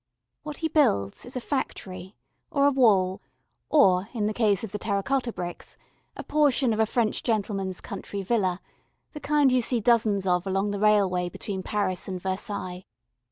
What he builds is a factory, or a wall, or, in the case of the terra cotta bricks, a portion of a French gentleman's country villa the kind you see dozens of along the railway between Paris and Versailles.